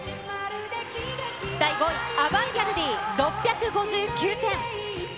第５位、アバンギャルディ、６５９点。